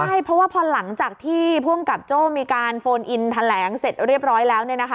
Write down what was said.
ใช่เพราะว่าพอหลังจากที่ภูมิกับโจ้มีการโฟนอินแถลงเสร็จเรียบร้อยแล้ว